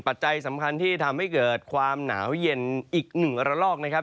ปัจจัยสำคัญที่ทำให้เกิดความหนาวเย็นอีกหนึ่งระลอกนะครับ